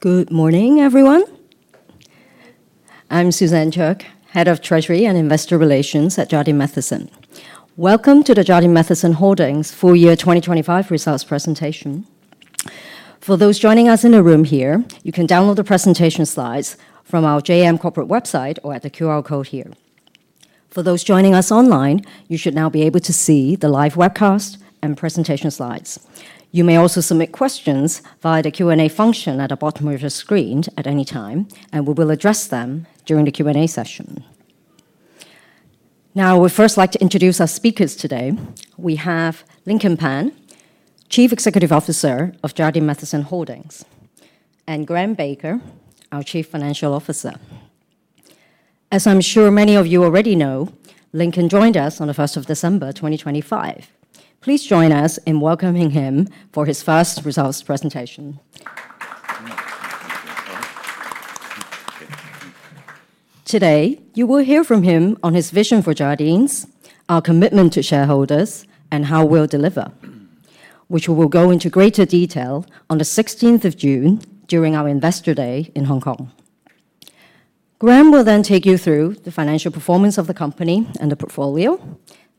Good morning, everyone. I'm Suzanne Cheuk, Head of Treasury and Investor Relations at Jardine Matheson. Welcome to the Jardine Matheson Holdings Full Year 2025 Results presentation. For those joining us in the room here, you can download the presentation slides from our JM corporate website or at the QR code here. For those joining us online, you should now be able to see the live webcast and presentation slides. You may also submit questions via the Q&A function at the bottom of your screen at any time, and we will address them during the Q&A session. Now we'd first like to introduce our speakers today. We have Lincoln Pan, Chief Executive Officer of Jardine Matheson Holdings, and Graham Baker, our Chief Financial Officer. As I'm sure many of you already know, Lincoln joined us on the first of December, 2025. Please join us in welcoming him for his first results presentation. Today, you will hear from him on his vision for Jardines, our commitment to shareholders and how we'll deliver, which we will go into greater detail on the 16th of June during our Investor Day in Hong Kong. Graham will then take you through the financial performance of the company and the portfolio.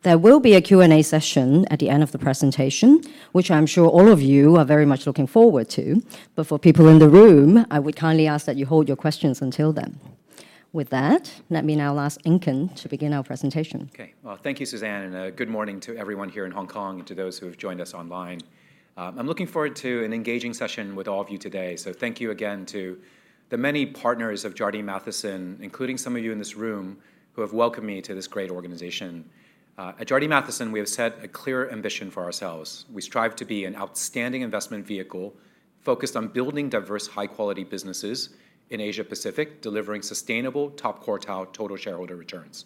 There will be a Q&A session at the end of the presentation, which I am sure all of you are very much looking forward to. For people in the room, I would kindly ask that you hold your questions until then. With that, let me now ask Lincoln to begin our presentation. Okay. Well, thank you, Suzanne, and good morning to everyone here in Hong Kong and to those who have joined us online. I'm looking forward to an engaging session with all of you today, so thank you again to the many partners of Jardine Matheson, including some of you in this room, who have welcomed me to this great organization. At Jardine Matheson, we have set a clear ambition for ourselves. We strive to be an outstanding investment vehicle focused on building diverse, high quality businesses in Asia Pacific, delivering sustainable top quartile total shareholder returns.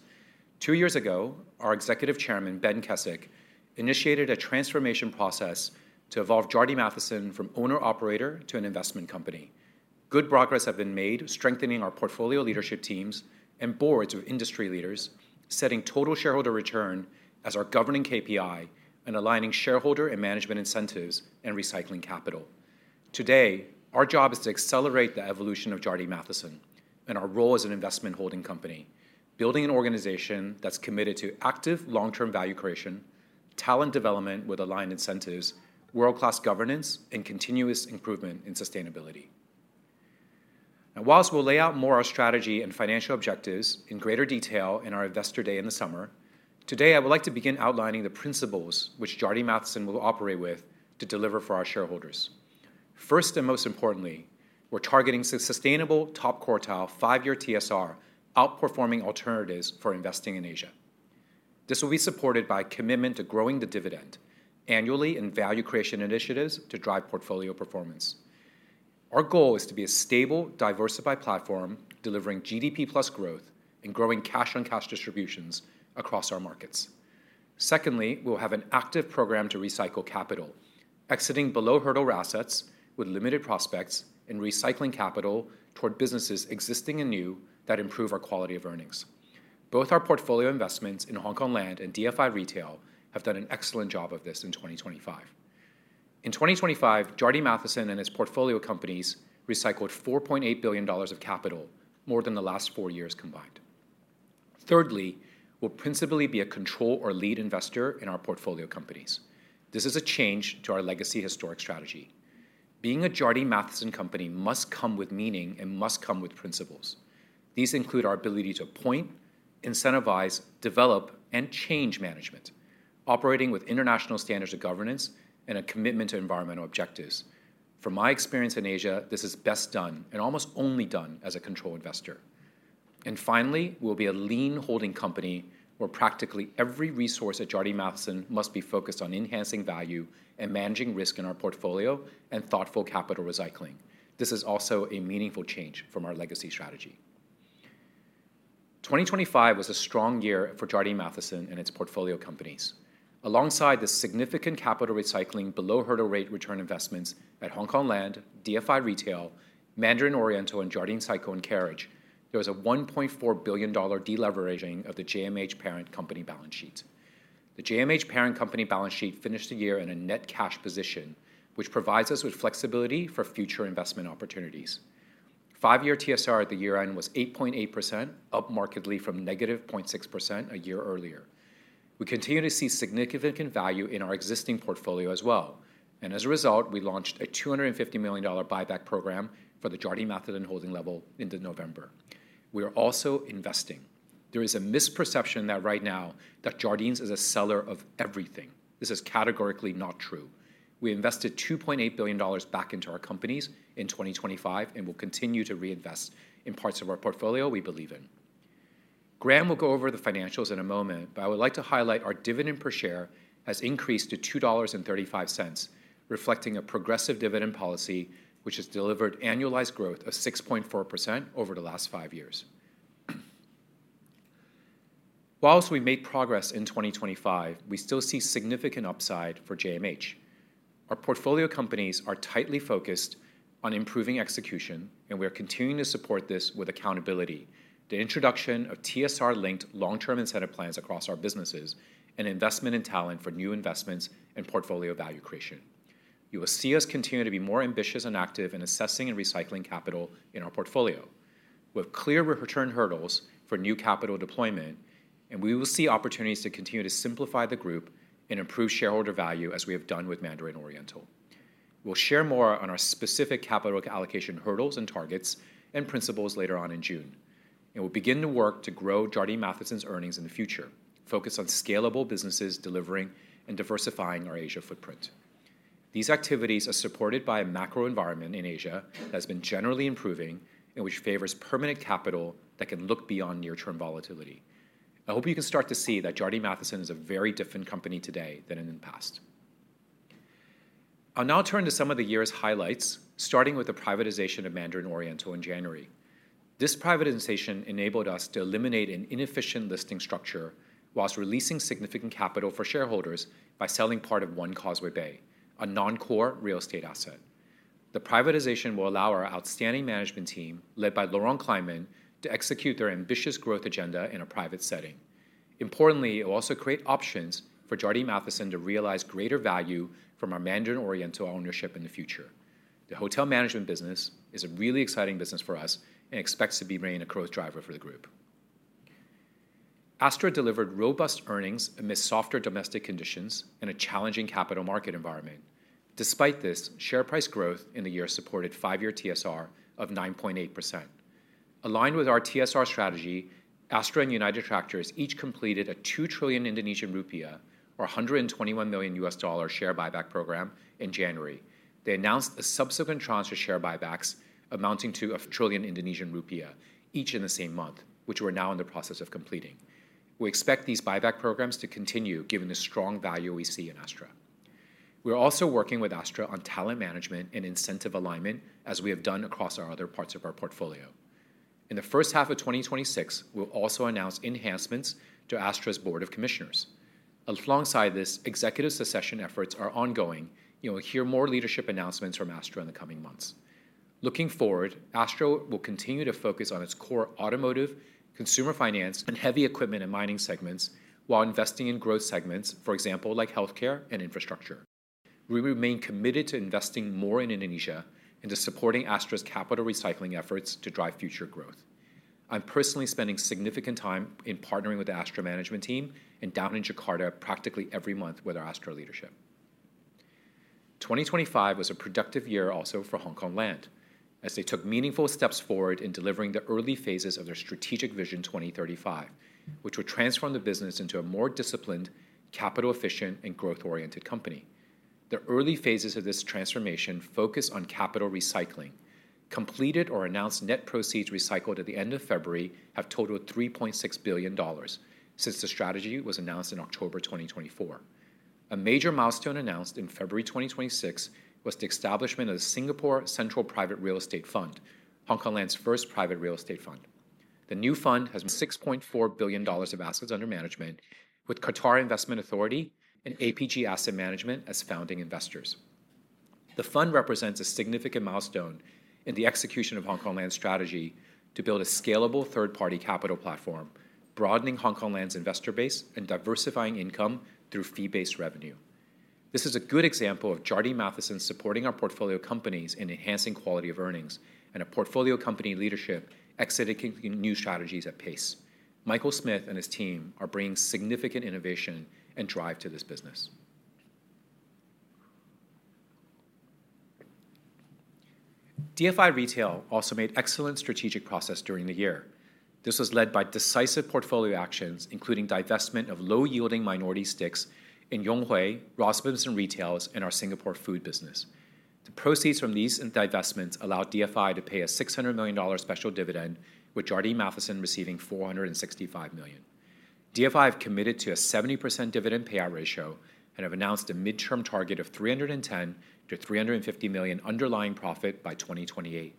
Two years ago, our executive chairman, Ben Keswick, initiated a transformation process to evolve Jardine Matheson from owner-operator to an investment company. Good progress has been made strengthening our portfolio leadership teams and boards with industry leaders, setting total shareholder return as our governing KPI and aligning shareholder and management incentives and recycling capital. Today, our job is to accelerate the evolution of Jardine Matheson and our role as an investment holding company, building an organization that's committed to active long-term value creation, talent development with aligned incentives, world-class governance and continuous improvement in sustainability. While we'll lay out more of our strategy and financial objectives in greater detail in our Investor Day in the summer, today I would like to begin outlining the principles which Jardine Matheson will operate with to deliver for our shareholders. First, and most importantly, we're targeting sustainable top quartile five-year TSR outperforming alternatives for investing in Asia. This will be supported by a commitment to growing the dividend annually and value creation initiatives to drive portfolio performance. Our goal is to be a stable, diversified platform, delivering GDP plus growth and growing cash-on-cash distributions across our markets. Secondly, we'll have an active program to recycle capital, exiting below hurdle rate assets with limited prospects and recycling capital toward businesses existing and new that improve our quality of earnings. Both our portfolio investments in Hongkong Land and DFI Retail have done an excellent job of this in 2025. In 2025, Jardine Matheson and its portfolio companies recycled $4.8 billion of capital, more than the last four years combined. Thirdly, we'll principally be a control or lead investor in our portfolio companies. This is a change to our legacy historic strategy. Being a Jardine Matheson company must come with meaning and must come with principles. These include our ability to appoint, incentivize, develop and change management, operating with international standards of governance and a commitment to environmental objectives. From my experience in Asia, this is best done and almost only done as a control investor. Finally, we'll be a lean holding company where practically every resource at Jardine Matheson must be focused on enhancing value and managing risk in our portfolio and thoughtful capital recycling. This is also a meaningful change from our legacy strategy. 2025 was a strong year for Jardine Matheson and its portfolio companies. Alongside the significant capital recycling below hurdle rate return investments at Hongkong Land, DFI Retail, Mandarin Oriental and Jardine Cycle & Carriage, there was a $1.4 billion de-leveraging of the JMH parent company balance sheet. The JMH parent company balance sheet finished the year in a net cash position, which provides us with flexibility for future investment opportunities. Five-year TSR at the year-end was 8.8%, up markedly from -0.6% a year earlier. We continue to see significant value in our existing portfolio as well, and as a result, we launched a $250 million buyback program for the Jardine Matheson holding level end of November. We are also investing. There is a misperception that right now that Jardines is a seller of everything. This is categorically not true. We invested $2.8 billion back into our companies in 2025 and will continue to reinvest in parts of our portfolio we believe in. Graham will go over the financials in a moment, but I would like to highlight our dividend per share has increased to $2.35, reflecting a progressive dividend policy which has delivered annualized growth of 6.4% over the last five years. While we made progress in 2025, we still see significant upside for JMH. Our portfolio companies are tightly focused on improving execution. We are continuing to support this with accountability, the introduction of TSR-linked long-term incentive plans across our businesses, and investment in talent for new investments and portfolio value creation. You will see us continue to be more ambitious and active in assessing and recycling capital in our portfolio. We have clear return hurdles for new capital deployment, and we will see opportunities to continue to simplify the group and improve shareholder value as we have done with Mandarin Oriental. We'll share more on our specific capital allocation hurdles and targets and principles later on in June, and we'll begin to work to grow Jardine Matheson's earnings in the future, focused on scalable businesses delivering and diversifying our Asia footprint. These activities are supported by a macro environment in Asia that has been generally improving and which favors permanent capital that can look beyond near-term volatility. I hope you can start to see that Jardine Matheson is a very different company today than in the past. I'll now turn to some of the year's highlights, starting with the privatization of Mandarin Oriental in January. This privatization enabled us to eliminate an inefficient listing structure while releasing significant capital for shareholders by selling part of One Causeway Bay, a non-core real estate asset. The privatization will allow our outstanding management team, led by Laurent Kleitman, to execute their ambitious growth agenda in a private setting. Importantly, it will also create options for Jardine Matheson to realize greater value from our Mandarin Oriental ownership in the future. The hotel management business is a really exciting business for us and expects to remain a growth driver for the group. Astra delivered robust earnings amidst softer domestic conditions and a challenging capital market environment. Despite this, share price growth in the year supported five-year TSR of 9.8%. Aligned with our TSR strategy, Astra and United Tractors each completed a 2 trillion rupiah, or $121 million share buyback program in January. They announced a subsequent tranche of share buybacks amounting to 1 trillion rupiah, each in the same month, which we're now in the process of completing. We expect these buyback programs to continue given the strong value we see in Astra. We are also working with Astra on talent management and incentive alignment, as we have done across our other parts of our portfolio. In the first half of 2026, we'll also announce enhancements to Astra's Board of Commissioners. Alongside this, executive succession efforts are ongoing. You will hear more leadership announcements from Astra in the coming months. Looking forward, Astra will continue to focus on its core automotive, consumer finance, and heavy equipment and mining segments while investing in growth segments, for example, like healthcare and infrastructure. We remain committed to investing more in Indonesia and to supporting Astra's capital recycling efforts to drive future growth. I'm personally spending significant time in partnering with the Astra management team and down in Jakarta practically every month with our Astra leadership. 2025 was a productive year also for Hongkong Land, as they took meaningful steps forward in delivering the early phases of their Strategic Vision 2035, which will transform the business into a more disciplined, capital-efficient, and growth-oriented company. The early phases of this transformation focus on capital recycling. Completed or announced net proceeds recycled at the end of February have totaled $3.6 billion since the strategy was announced in October 2024. A major milestone announced in February 2026 was the establishment of the Singapore Central Private Real Estate Fund, Hongkong Land's first private real estate fund. The new fund has $6.4 billion of assets under management, with Qatar Investment Authority and APG Asset Management as founding investors. The fund represents a significant milestone in the execution of Hongkong Land's strategy to build a scalable third-party capital platform, broadening Hongkong Land's investor base and diversifying income through fee-based revenue. This is a good example of Jardine Matheson supporting our portfolio companies in enhancing quality of earnings and a portfolio company leadership executing new strategies at pace. Michael Smith and his team are bringing significant innovation and drive to this business. DFI Retail also made excellent strategic progress during the year. This was led by decisive portfolio actions, including divestment of low-yielding minority stakes in Yonghui, Robinsons Retail, and our Singapore food business. The proceeds from these divestments allowed DFI to pay a $600 million special dividend, with Jardine Matheson receiving $465 million. DFI has committed to a 70% dividend payout ratio and has announced a midterm target of $310 million-$350 million underlying profit by 2028.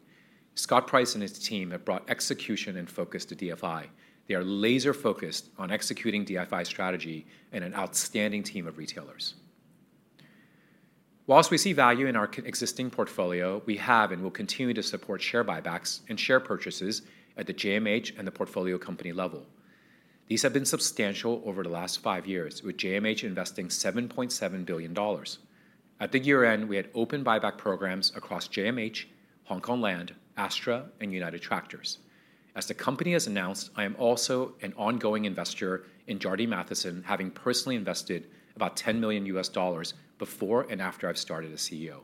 Scott Price and his team have brought execution and focus to DFI. They are laser-focused on executing DFI's strategy and an outstanding team of retailers. While we see value in our existing portfolio, we have and will continue to support share buybacks and share purchases at the JMH and the portfolio company level. These have been substantial over the last five years, with JMH investing $7.7 billion. At the year end, we had open buyback programs across JMH, Hongkong Land, Astra, and United Tractors. As the company has announced, I am also an ongoing investor in Jardine Matheson, having personally invested about $10 million before and after I started as CEO.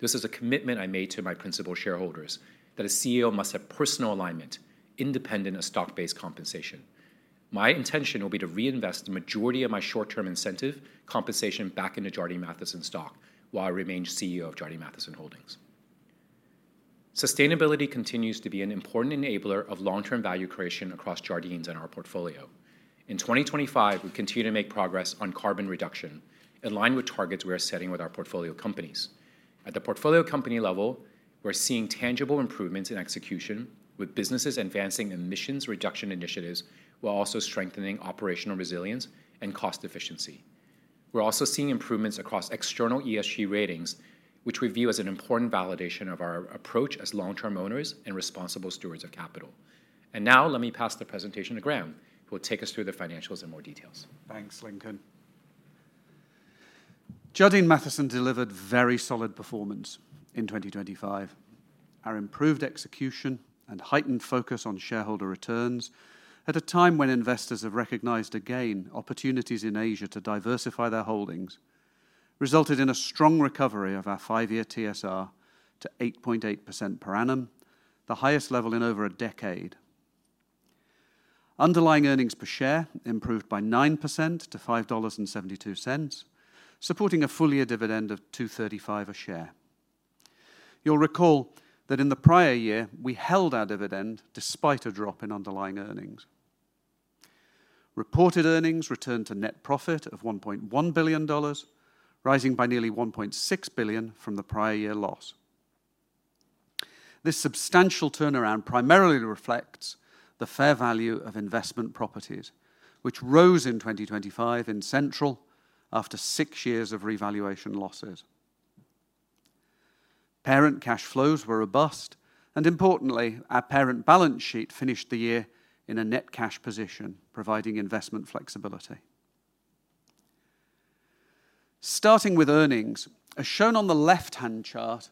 This is a commitment I made to my principal shareholders, that a CEO must have personal alignment independent of stock-based compensation. My intention will be to reinvest the majority of my short-term incentive compensation back into Jardine Matheson stock while I remain CEO of Jardine Matheson Holdings. Sustainability continues to be an important enabler of long-term value creation across Jardines and our portfolio. In 2025, we continue to make progress on carbon reduction in line with targets we are setting with our portfolio companies. At the portfolio company level, we're seeing tangible improvements in execution with businesses advancing emissions reduction initiatives while also strengthening operational resilience and cost efficiency. We're also seeing improvements across external ESG ratings, which we view as an important validation of our approach as long-term owners and responsible stewards of capital. Now let me pass the presentation to Graham, who will take us through the financials in more details. Thanks, Lincoln. Jardine Matheson delivered very solid performance in 2025. Our improved execution and heightened focus on shareholder returns at a time when investors have recognized again opportunities in Asia to diversify their holdings, resulted in a strong recovery of our five-year TSR to 8.8% per annum, the highest level in over a decade. Underlying earnings per share improved by 9% to $5.72, supporting a full year dividend of $2.35 a share. You'll recall that in the prior year, we held our dividend despite a drop in underlying earnings. Reported earnings returned to net profit of $1.1 billion, rising by nearly $1.6 billion from the prior year loss. This substantial turnaround primarily reflects the fair value of investment properties, which rose in 2025 in Central after six years of revaluation losses. Parent cash flows were robust, and importantly, our parent balance sheet finished the year in a net cash position, providing investment flexibility. Starting with earnings, as shown on the left-hand chart,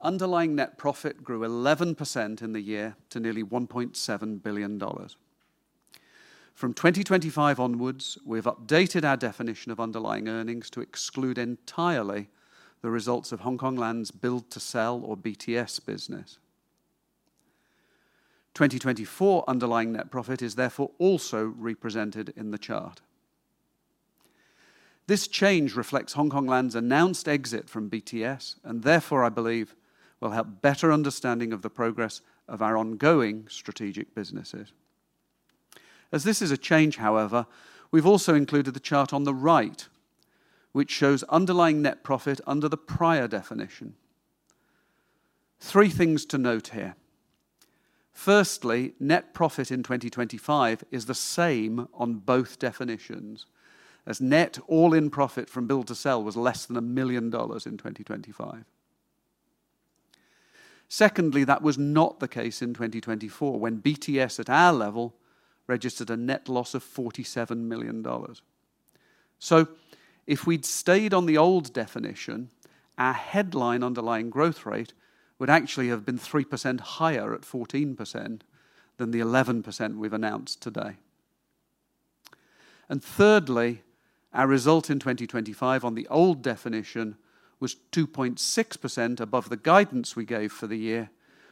underlying net profit grew 11% in the year to nearly $1.7 billion. From 2025 onwards, we've updated our definition of underlying earnings to exclude entirely the results of Hongkong Land's Build to Sell or BTS business. 2024 underlying net profit is therefore also represented in the chart. This change reflects Hongkong Land's announced exit from BTS and therefore, I believe will help better understanding of the progress of our ongoing strategic businesses. As this is a change, however, we've also included the chart on the right, which shows underlying net profit under the prior definition. Three things to note here. Firstly, net profit in 2025 is the same on both definitions as net all-in profit from Build to Sell was less than $1 million in 2025. Secondly, that was not the case in 2024 when BTS at our level registered a net loss of $47 million. If we'd stayed on the old definition, our headline underlying growth rate would actually have been 3% higher at 14% than the 11% we've announced today. Thirdly, our result in 2025 on the old definition was 2.6% above the guidance we gave for the year,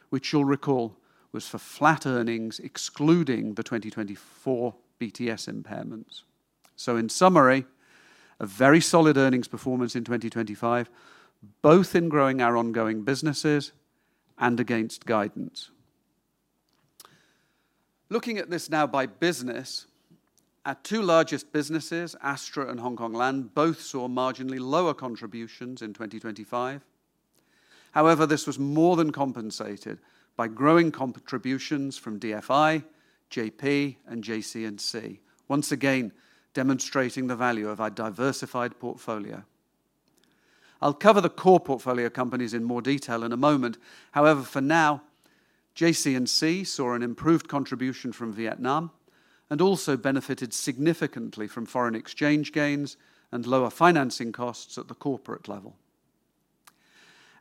which you'll recall was for flat earnings excluding the 2024 BTS impairments. In summary, a very solid earnings performance in 2025, both in growing our ongoing businesses and against guidance. Looking at this now by business, our two largest businesses, Astra and Hongkong Land, both saw marginally lower contributions in 2025. However, this was more than compensated by growing contributions from DFI, JP, and JC&C. Once again, demonstrating the value of our diversified portfolio. I'll cover the core portfolio companies in more detail in a moment. However, for now, JC&C saw an improved contribution from Vietnam and also benefited significantly from foreign exchange gains and lower financing costs at the corporate level.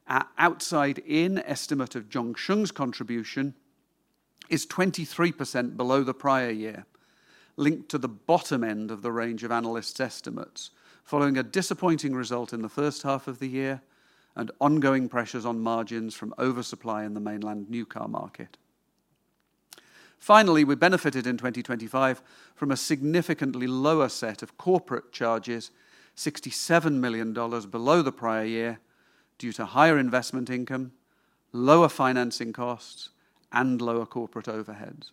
Our outside-in estimate of Zhongsheng's contribution is 23% below the prior year, linked to the bottom end of the range of analysts' estimates following a disappointing result in the first half of the year and ongoing pressures on margins from oversupply in the Mainland new car market. Finally, we benefited in 2025 from a significantly lower set of corporate charges, $67 million below the prior year due to higher investment income, lower financing costs, and lower corporate overheads.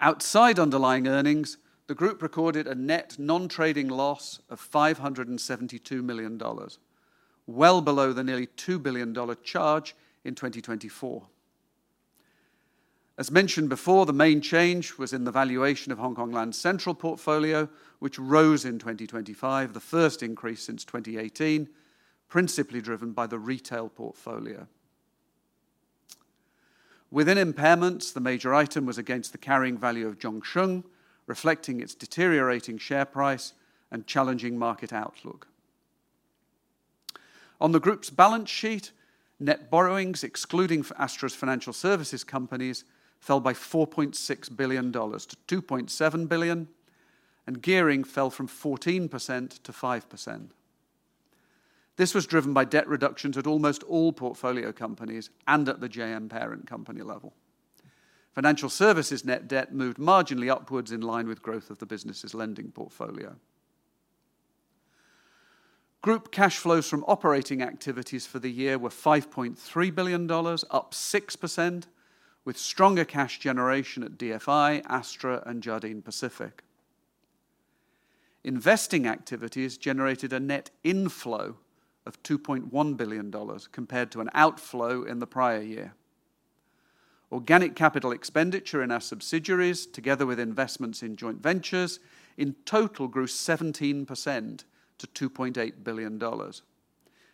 Outside underlying earnings, the group recorded a net non-trading loss of $572 million, well below the nearly $2 billion charge in 2024. As mentioned before, the main change was in the valuation of Hongkong Land's Central portfolio, which rose in 2025, the first increase since 2018, principally driven by the retail portfolio. Within impairments, the major item was against the carrying value of Zhongsheng, reflecting its deteriorating share price and challenging market outlook. On the group's balance sheet, net borrowings, excluding Astra's financial services companies, fell by $4.6 billion to $2.7 billion, and gearing fell from 14% to 5%. This was driven by debt reductions at almost all portfolio companies and at the JM parent company level. Financial services net debt moved marginally upwards in line with growth of the business' lending portfolio. Group cash flows from operating activities for the year were $5.3 billion, up 6% with stronger cash generation at DFI, Astra, and Jardine Pacific. Investing activities generated a net inflow of $2.1 billion compared to an outflow in the prior year. Organic capital expenditure in our subsidiaries, together with investments in joint ventures in total grew 17% to $2.8 billion.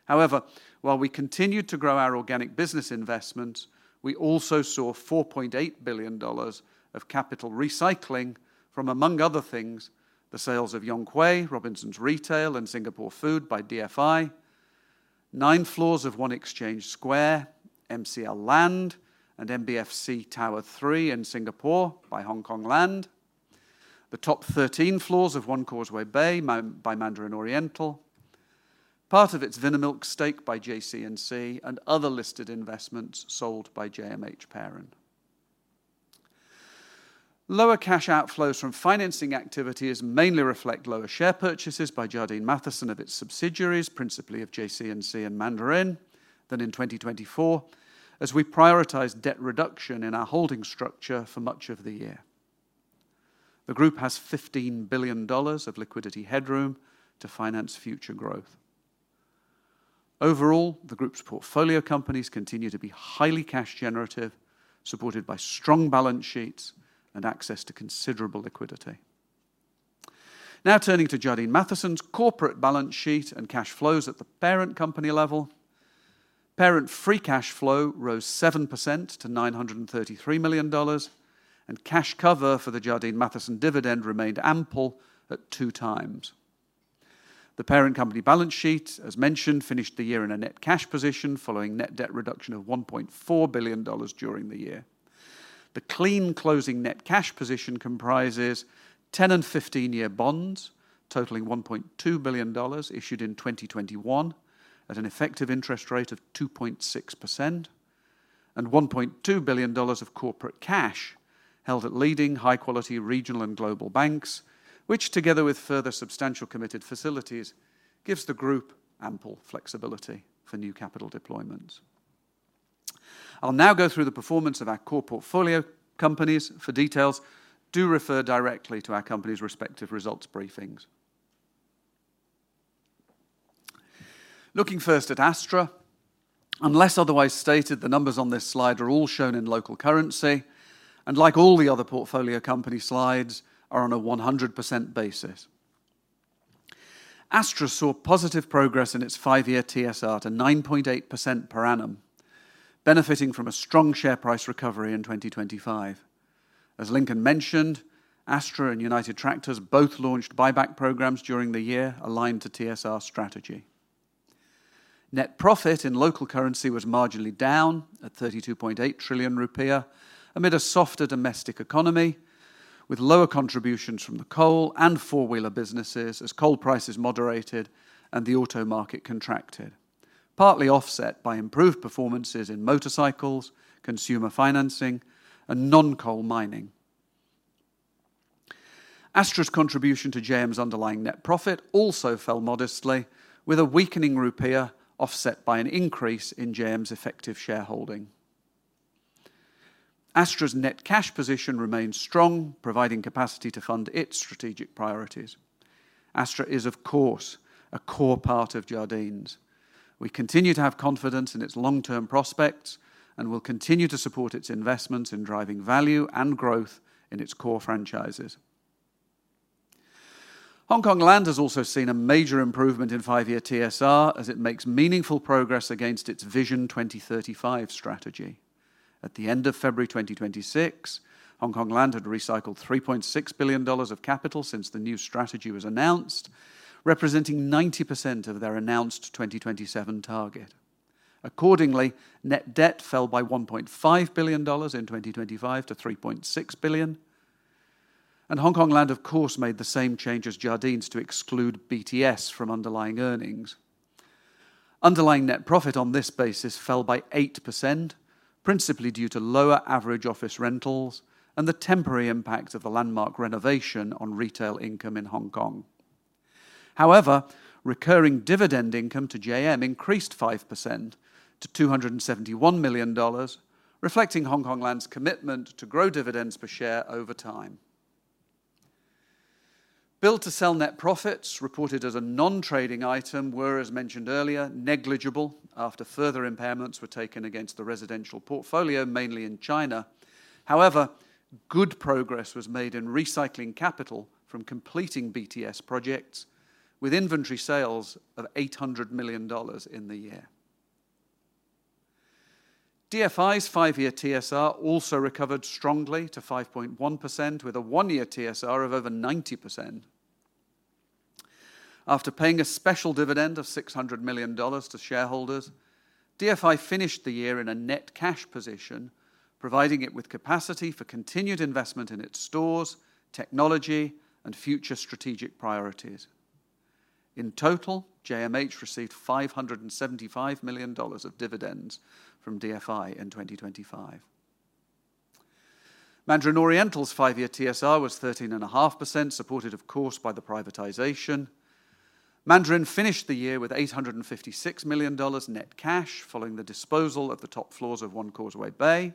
However, while we continued to grow our organic business investments, we also saw $4.8 billion of capital recycling from, among other things, the sales of Yonghui, Robinsons Retail and Singapore Food by DFI, nine floors of One Exchange Square, MCL Land and MBFC Tower III in Singapore by Hongkong Land, the top 13 floors of One Causeway Bay by Mandarin Oriental, part of its Vinamilk stake by JC&C and other listed investments sold by JMH Parent. Lower cash outflows from financing activities mainly reflect lower share purchases by Jardine Matheson of its subsidiaries, principally of JC&C and Mandarin than in 2024 as we prioritize debt reduction in our holding structure for much of the year. The group has $15 billion of liquidity headroom to finance future growth. Overall, the group's portfolio companies continue to be highly cash generative, supported by strong balance sheets and access to considerable liquidity. Now turning to Jardine Matheson's corporate balance sheet and cash flows at the parent company level. Parent free cash flow rose 7% to $933 million, and cash cover for the Jardine Matheson dividend remained ample at 2x. The parent company balance sheet, as mentioned, finished the year in a net cash position following net debt reduction of $1.4 billion during the year. The clean closing net cash position comprises 10- and 15-year bonds totaling $1.2 billion issued in 2021 at an effective interest rate of 2.6% and $1.2 billion of corporate cash held at leading high-quality regional and global banks, which together with further substantial committed facilities, gives the group ample flexibility for new capital deployments. I'll now go through the performance of our core portfolio companies. For details, do refer directly to our company's respective results briefings. Looking first at Astra. Unless otherwise stated, the numbers on this slide are all shown in local currency and like all the other portfolio company slides, are on a 100% basis. Astra saw positive progress in its five-year TSR to 9.8% per annum, benefiting from a strong share price recovery in 2025. As Lincoln mentioned, Astra and United Tractors both launched buyback programs during the year aligned to TSR strategy. Net profit in local currency was marginally down at 32.8 trillion rupiah amid a softer domestic economy, with lower contributions from the coal and four-wheeler businesses as coal prices moderated and the auto market contracted, partly offset by improved performances in motorcycles, consumer financing and non-coal mining. Astra's contribution to JM's underlying net profit also fell modestly, with a weakening rupiah offset by an increase in JM's effective shareholding. Astra's net cash position remains strong, providing capacity to fund its strategic priorities. Astra is, of course, a core part of Jardine's. We continue to have confidence in its long-term prospects and will continue to support its investments in driving value and growth in its core franchises. Hongkong Land has also seen a major improvement in five-year TSR as it makes meaningful progress against its Strategic Vision 2035 strategy. At the end of February 2026, Hongkong Land had recycled $3.6 billion of capital since the new strategy was announced, representing 90% of their announced 2027 target. Accordingly, net debt fell by $1.5 billion in 2025 to $3.6 billion. Hongkong Land, of course, made the same change as Jardine's to exclude BTS from underlying earnings. Underlying net profit on this basis fell by 8%, principally due to lower average office rentals and the temporary impact of the landmark renovation on retail income in Hong Kong. However, recurring dividend income to JM increased 5% to $271 million, reflecting Hongkong Land's commitment to grow dividends per share over time. Build to Sell net profits reported as a non-trading item were, as mentioned earlier, negligible after further impairments were taken against the residential portfolio, mainly in China. However, good progress was made in recycling capital from completing BTS projects with inventory sales of $800 million in the year. DFI's five-year TSR also recovered strongly to 5.1%, with a one-year TSR of over 90%. After paying a special dividend of $600 million to shareholders, DFI finished the year in a net cash position, providing it with capacity for continued investment in its stores, technology and future strategic priorities. In total, JMH received $575 million of dividends from DFI in 2025. Mandarin Oriental's five-year TSR was 13.5%, supported of course by the privatization. Mandarin Oriental finished the year with $856 million net cash following the disposal of the top floors of One Causeway Bay.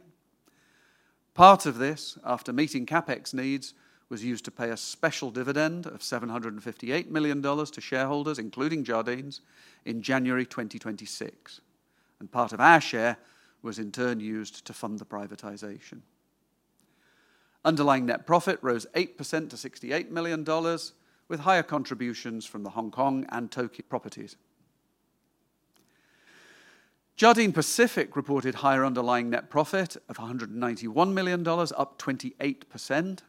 Part of this, after meeting CapEx needs, was used to pay a special dividend of $758 million to shareholders, including Jardines, in January 2026. Part of our share was in turn used to fund the privatization. Underlying net profit rose 8% to $68 million, with higher contributions from the Hong Kong and Tokyo properties. Jardine Pacific reported higher underlying net profit of $191 million, up 28%.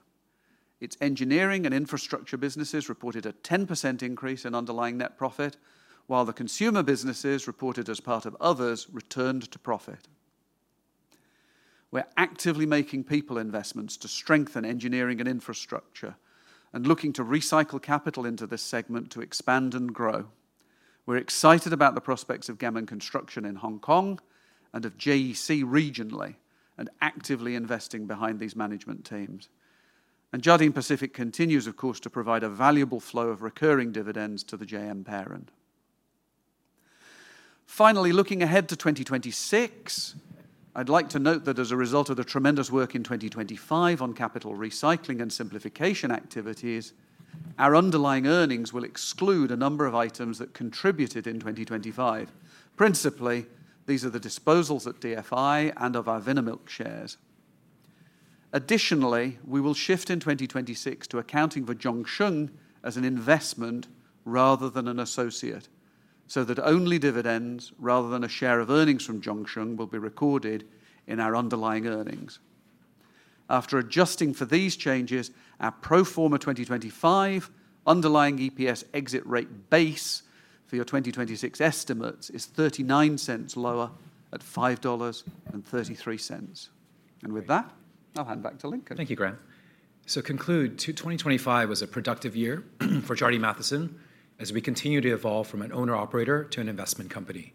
Its engineering and infrastructure businesses reported a 10% increase in underlying net profit, while the consumer businesses, reported as part of others, returned to profit. We're actively making people investments to strengthen engineering and infrastructure and looking to recycle capital into this segment to expand and grow. We're excited about the prospects of Gammon Construction in Hong Kong and of JEC regionally and actively investing behind these management teams. Jardine Pacific continues, of course, to provide a valuable flow of recurring dividends to the JM parent. Finally, looking ahead to 2026, I'd like to note that as a result of the tremendous work in 2025 on capital recycling and simplification activities, our underlying earnings will exclude a number of items that contributed in 2025. Principally, these are the disposals at DFI and of our Vinamilk shares. Additionally, we will shift in 2026 to accounting for Zhongsheng as an investment rather than an associate, so that only dividends rather than a share of earnings from Zhongsheng will be recorded in our underlying earnings. After adjusting for these changes, our pro forma 2025 underlying EPS exit rate base for your 2026 estimates is $0.39 lower at $5.33. With that, I'll hand back to Lincoln. Thank you, Graham. To conclude, 2025 was a productive year for Jardine Matheson as we continue to evolve from an owner/operator to an investment company.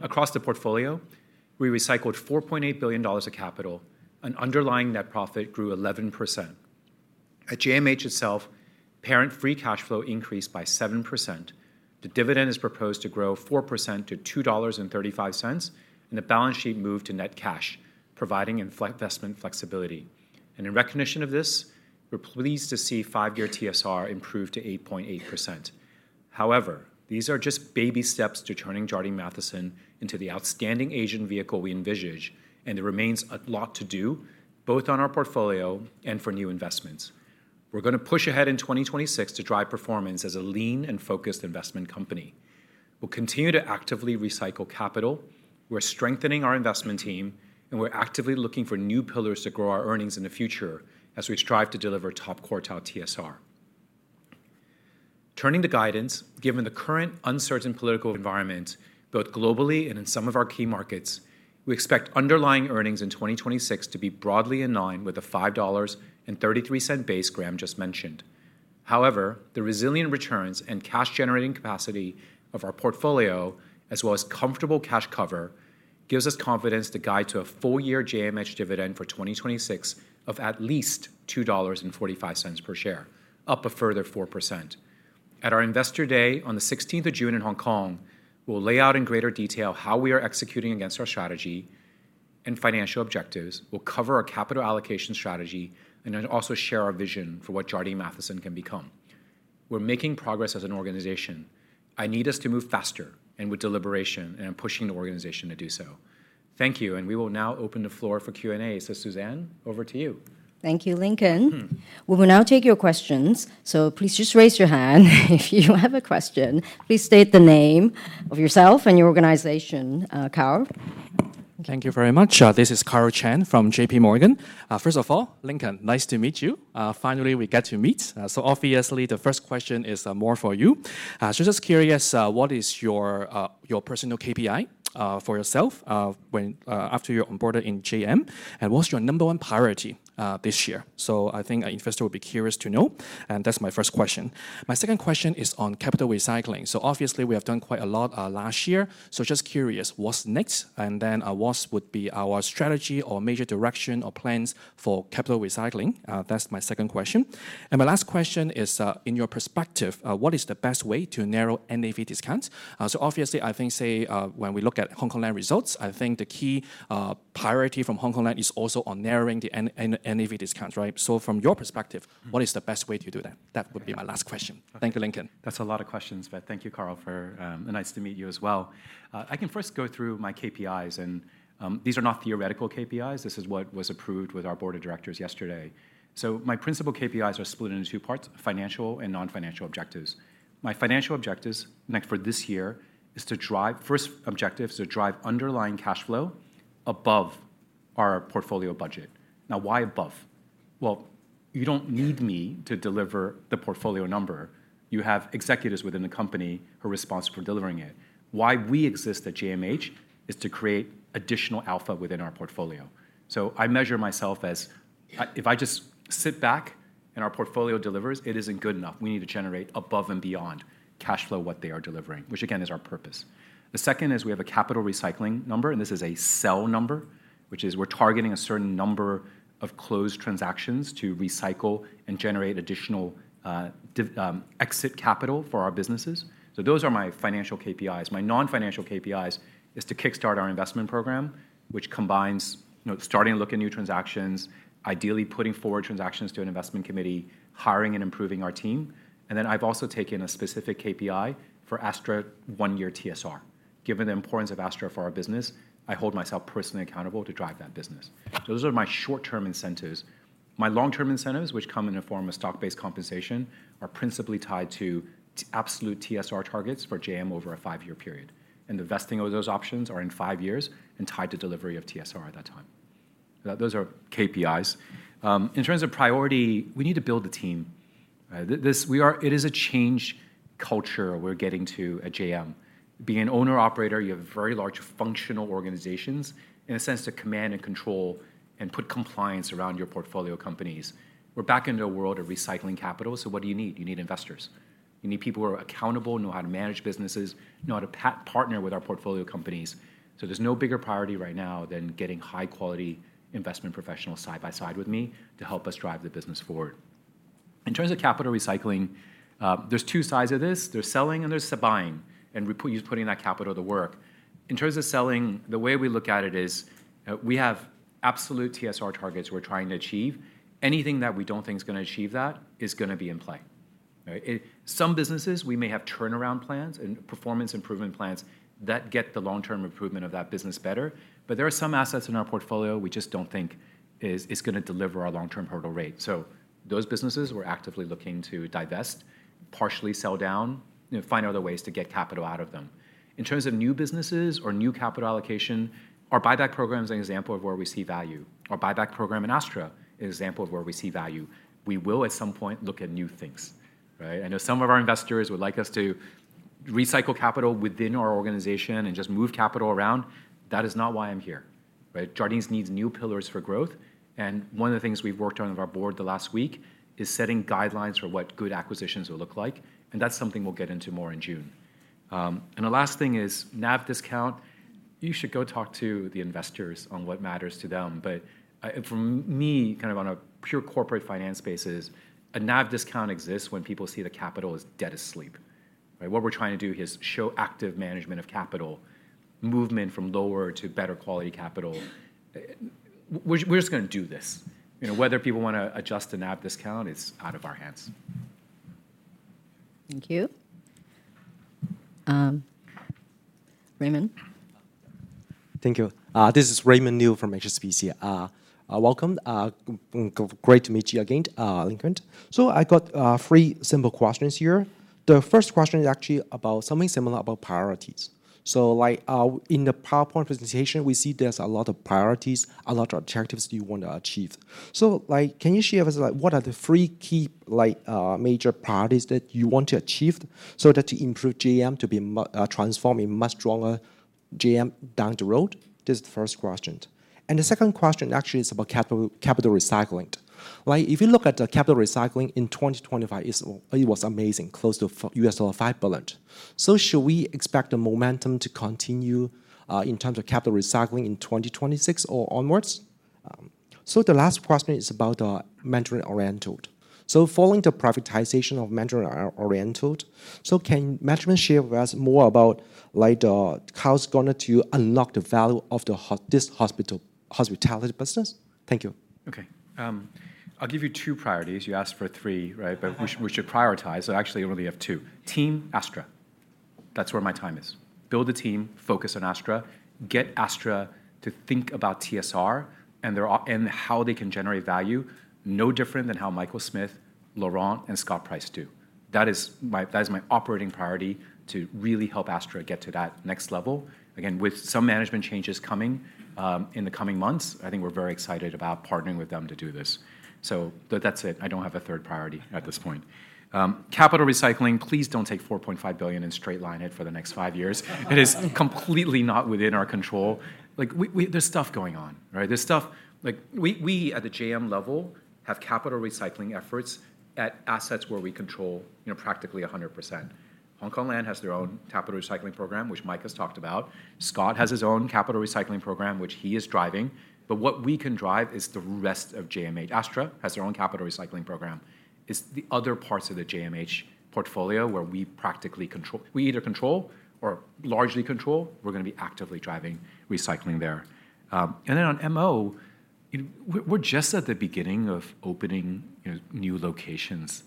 Across the portfolio, we recycled $4.8 billion of capital and underlying net profit grew 11%. At JMH itself, parent free cash flow increased by 7%. The dividend is proposed to grow 4% to $2.35, and the balance sheet moved to net cash, providing investment flexibility. In recognition of this, we're pleased to see five-year TSR improve to 8.8%. However, these are just baby steps to turning Jardine Matheson into the outstanding Asian vehicle we envisage, and there remains a lot to do, both on our portfolio and for new investments. We're gonna push ahead in 2026 to drive performance as a lean and focused investment company. We'll continue to actively recycle capital, we're strengthening our investment team, and we're actively looking for new pillars to grow our earnings in the future as we strive to deliver top quartile TSR. Turning to guidance, given the current uncertain political environment, both globally and in some of our key markets, we expect underlying earnings in 2026 to be broadly in line with the $5.33 base Graham just mentioned. However, the resilient returns and cash generating capacity of our portfolio, as well as comfortable cash cover, gives us confidence to guide to a full year JMH dividend for 2026 of at least $2.45 per share, up a further 4%. At our Investor Day on the 16th of June in Hong Kong, we'll lay out in greater detail how we are executing against our strategy and financial objectives. We'll cover our capital allocation strategy and then also share our vision for what Jardine Matheson can become. We're making progress as an organization. I need us to move faster and with deliberation, and I'm pushing the organization to do so. Thank you, and we will now open the floor for Q&A. Suzanne, over to you. Thank you, Lincoln. Mm-hmm. We will now take your questions, so please just raise your hand if you have a question. Please state your name and your organization. Karl? Thank you very much. This is Karl Chan from JPMorgan. First of all, Lincoln, nice to meet you. Finally we get to meet. Obviously the first question is more for you. Just curious, what is your personal KPI for yourself when after you're onboarded in JM, and what's your number one priority this year? I think an investor would be curious to know, and that's my first question. My second question is on capital recycling. Obviously we have done quite a lot last year, so just curious, what's next? Then, what would be our strategy or major direction or plans for capital recycling? That's my second question. My last question is, in your perspective, what is the best way to narrow NAV discounts? Obviously I think, say, when we look at Hongkong Land results, I think the key priority from Hongkong Land is also on narrowing the NAV discounts, right? From your perspective- Mm-hmm What is the best way to do that? That would be my last question. Okay. Thank you, Lincoln. That's a lot of questions, but thank you, Karl, and nice to meet you as well. I can first go through my KPIs and these are not theoretical KPIs. This is what was approved with our board of directors yesterday. My principal KPIs are split into two parts, financial and non-financial objectives. My financial objectives for this year is to drive underlying cash flow above our portfolio budget. Now, why above? Well, you don't need me to deliver the portfolio number. You have executives within the company who are responsible for delivering it. Why we exist at JMH is to create additional alpha within our portfolio. I measure myself as if I just sit back and our portfolio delivers, it isn't good enough. We need to generate above and beyond cash flow what they are delivering, which again, is our purpose. The second is we have a capital recycling number, and this is a sale number, which is we're targeting a certain number of closed transactions to recycle and generate additional exit capital for our businesses. Those are my financial KPIs. My non-financial KPIs is to kickstart our investment program, which combines, you know, starting to look at new transactions, ideally putting forward transactions to an investment committee, hiring and improving our team. I've also taken a specific KPI for Astra one-year TSR. Given the importance of Astra for our business, I hold myself personally accountable to drive that business. Those are my short-term incentives. My long-term incentives, which come in the form of stock-based compensation, are principally tied to absolute TSR targets for JM over a five-year period, and the vesting of those options are in five years and tied to delivery of TSR at that time. Those are KPIs. In terms of priority, we need to build the team. It is a change culture we're getting to at JM. Being an owner/operator, you have very large functional organizations in a sense to command and control and put compliance around your portfolio companies. We're back into a world of recycling capital, so what do you need? You need investors. You need people who are accountable, know how to manage businesses, know how to partner with our portfolio companies. There's no bigger priority right now than getting high quality investment professionals side by side with me to help us drive the business forward. In terms of capital recycling, there's two sides of this. There's selling and there's buying, and we're just putting that capital to work. In terms of selling, the way we look at it is, we have absolute TSR targets we're trying to achieve. Anything that we don't think is gonna achieve that is gonna be in play. All right. Some businesses we may have turnaround plans and performance improvement plans that get the long-term improvement of that business better, but there are some assets in our portfolio we just don't think is gonna deliver our long-term hurdle rate. Those businesses we're actively looking to divest, partially sell down, you know, find other ways to get capital out of them. In terms of new businesses or new capital allocation, our buyback program's an example of where we see value. Our buyback program in Astra is an example of where we see value. We will, at some point, look at new things, right? I know some of our investors would like us to recycle capital within our organization and just move capital around. That is not why I'm here, right? Jardines needs new pillars for growth, and one of the things we've worked on with our board the last week is setting guidelines for what good acquisitions will look like, and that's something we'll get into more in June. The last thing is NAV discount. You should go talk to the investors on what matters to them. But from me, kind of on a pure corporate finance basis, a NAV discount exists when people see the capital as dead as sleep. Right? What we're trying to do here is show active management of capital, movement from lower to better quality capital. We're just gonna do this. You know, whether people wanna adjust the NAV discount is out of our hands. Thank you. Raymond? Thank you. This is Raymond Liu from HSBC. Welcome. Great to meet you again, Lincoln. I got three simple questions here. The first question is actually about something similar about priorities. Like, in the PowerPoint presentation, we see there's a lot of priorities, a lot of objectives that you want to achieve. Like, can you share with us, like, what are the three key, like, major priorities that you want to achieve so that you improve JM to be transformed a much stronger JM down the road? This is the first question. The second question actually is about capital recycling. Like, if you look at the capital recycling in 2025, it was amazing, close to $5 billion. Should we expect the momentum to continue in terms of capital recycling in 2026 or onwards? The last question is about Mandarin Oriental. Following the privatization of Mandarin Oriental, can management share with us more about, like, how it's going to unlock the value of this hospitality business? Thank you. Okay. I'll give you two priorities. You asked for three, right? But we should prioritize, so actually I only have two. Team Astra, that's where my time is. Build the team, focus on Astra, get Astra to think about TSR and how they can generate value, no different than how Michael Smith, Laurent, and Scott Price do. That is my operating priority to really help Astra get to that next level. Again, with some management changes coming in the coming months, I think we're very excited about partnering with them to do this. That's it. I don't have a third priority at this point. Capital recycling, please don't take $4.5 billion and straight line it for the next five years. It is completely not within our control. Like, there's stuff going on, right? Like, we at the JM level have capital recycling efforts at assets where we control, you know, practically 100%. Hongkong Land has their own capital recycling program, which Mike has talked about. Scott has his own capital recycling program, which he is driving. What we can drive is the rest of JMH. Astra has their own capital recycling program. It's the other parts of the JMH portfolio where we practically control. We either control or largely control, we're gonna be actively driving recycling there. On MO, you know, we're just at the beginning of opening, you know, new locations.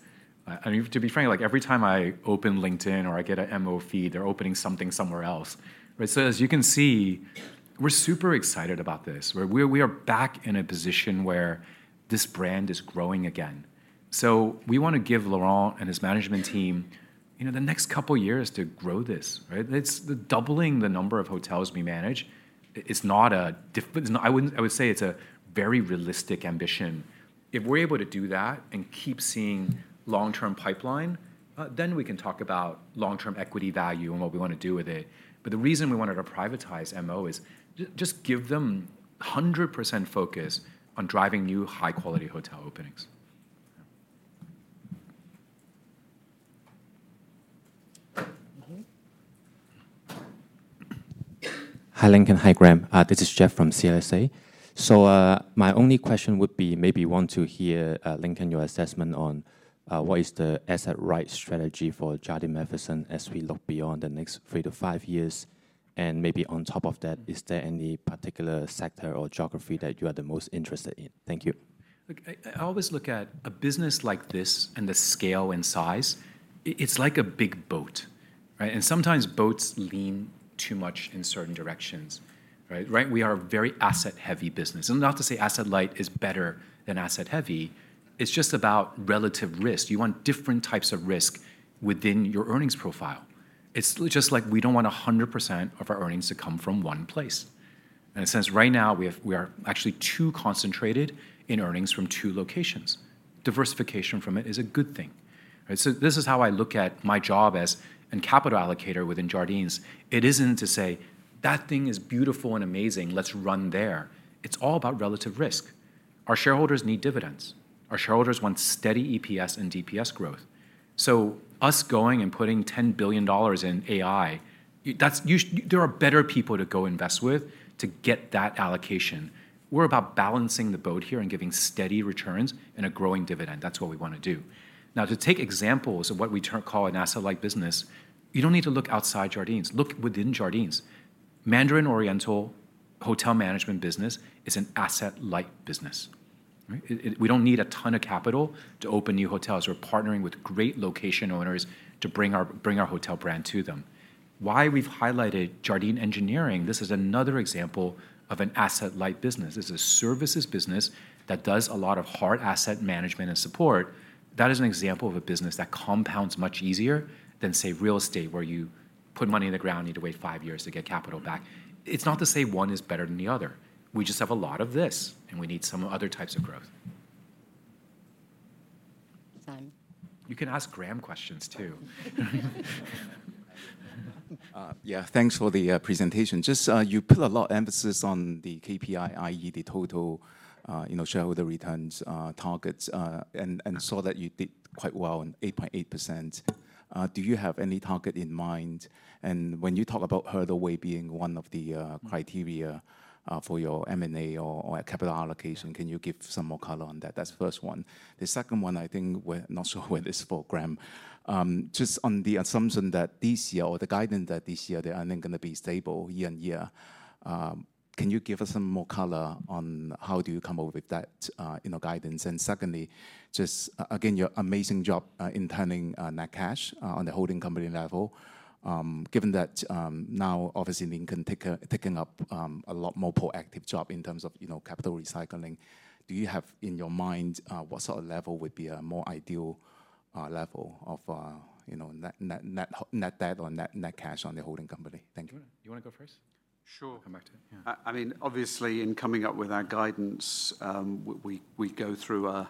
I mean, to be frank, like, every time I open LinkedIn or I get a MO feed, they're opening something somewhere else. Right, as you can see, we're super excited about this, where we are back in a position where this brand is growing again. We wanna give Laurent and his management team, you know, the next couple years to grow this, right? The doubling of the number of hotels we manage is not difficult. I would say it's a very realistic ambition. If we're able to do that and keep seeing long-term pipeline, then we can talk about long-term equity value and what we wanna do with it. The reason we wanted to privatize MO is just to give them 100% focus on driving new high quality hotel openings. Okay. Hi, Lincoln. Hi, Graham. This is Jeff from CLSA. My only question would be maybe want to hear, Lincoln, your assessment on what is the asset-light strategy for Jardine Matheson as we look beyond the next three to five years. Maybe on top of that, is there any particular sector or geography that you are the most interested in? Thank you. Look, I always look at a business like this and the scale and size, it's like a big boat. Right? Sometimes boats lean too much in certain directions, right? Right, we are a very asset heavy business. Not to say asset light is better than asset heavy, it's just about relative risk. You want different types of risk within your earnings profile. It's just like we don't want 100% of our earnings to come from one place. In a sense, right now we are actually too concentrated in earnings from two locations. Diversification from it is a good thing, right? This is how I look at my job as a capital allocator within Jardines. It isn't to say, "That thing is beautiful and amazing, let's run there." It's all about relative risk. Our shareholders need dividends. Our shareholders want steady EPS and DPS growth. Us going and putting $10 billion in AI, that's us. There are better people to go invest with to get that allocation. We're about balancing the boat here and giving steady returns and a growing dividend. That's what we wanna do. Now, to take examples of what we call an asset light business, you don't need to look outside Jardines. Look within Jardines. Mandarin Oriental hotel management business is an asset light business, right? We don't need a ton of capital to open new hotels. We're partnering with great location owners to bring our hotel brand to them. Why we've highlighted Jardine Engineering, this is another example of an asset light business. This is a services business that does a lot of hard asset management and support. That is an example of a business that compounds much easier than, say, real estate where you put money in the ground, need to wait five years to get capital back. It's not to say one is better than the other. We just have a lot of this, and we need some other types of growth. Simon. You can ask Graham questions too. Yeah, thanks for the presentation. Just, you put a lot of emphasis on the KPI, i.e., the total, you know, shareholder returns targets, and saw that you did quite well in 8.8%. Do you have any target in mind? When you talk about the TSR way being one of the criteria for your M&A or a capital allocation, can you give some more color on that? That's first one. The second one, I think we're not sure whether it's for Graham. Just on the assumption that this year or the guidance that this year they are then going to be stable year-on-year, can you give us some more color on how do you come up with that, you know, guidance? Secondly, just again, your amazing job in turning net cash on the holding company level. Given that, now obviously Lincoln taking up a lot more proactive job in terms of, you know, capital recycling, do you have in your mind what sort of level would be a more ideal level of, you know, net debt or net cash on the holding company? Thank you. Do you wanna go first? Sure. I'll come back to you. Yeah. I mean, obviously in coming up with our guidance, we go through a